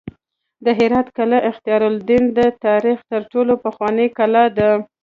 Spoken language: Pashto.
د هرات قلعه اختیارالدین د تاریخ تر ټولو پخوانۍ کلا ده